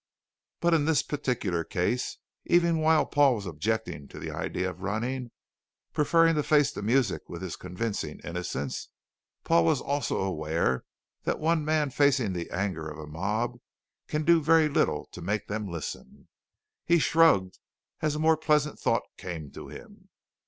But in this particular case, even while Paul was objecting to the idea of running; preferring to face the music with his convincing innocence, Paul was also aware that one man facing the anger of a mob can do very little to make them listen. He shrugged as a more pleasant thought came to him.